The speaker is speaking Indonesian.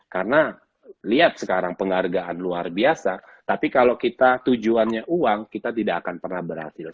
karena lihat sekarang penghargaan luar biasa tapi kalau kita tujuannya uang kita tidak akan pernah berhasil